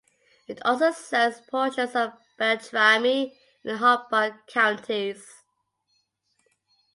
It also serves portions of Beltrami and Hubbard counties.